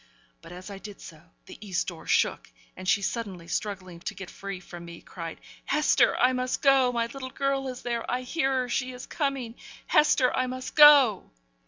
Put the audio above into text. But as I did so the east door shook, and she, suddenly struggling to get free from me, cried, 'Hester! I must go. My little girl is there! I hear her; she is coming! Hester, I must go!'